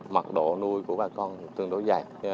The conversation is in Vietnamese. mặt độ nuôi của bà con tương đối dài